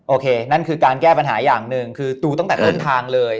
โอเคนั่นคือการแก้ปัญหาอย่างหนึ่งคือดูตั้งแต่ต้นทางเลย